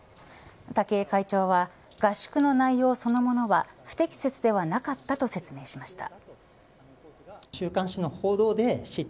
武井会長は合宿の内容そのものは不適切ではなかったと説明しました。